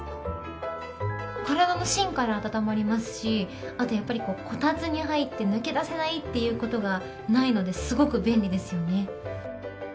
体の芯から温まりますしあと、こたつに入って抜け出せないということがないのですごく便利ですよね。